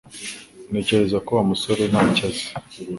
Ntekereza ko Wa musore ntacyo azi